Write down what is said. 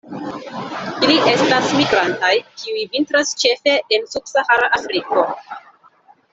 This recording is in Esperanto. Ili estas migrantaj, kiuj vintras ĉefe en subsahara Afriko.